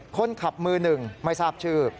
คนขับมือหนึ่งไม่ทราบชื่อ